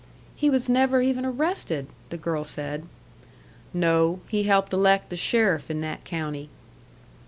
"He was never even arrested!" the girl said. "No. He helped elect the sheriff in that county."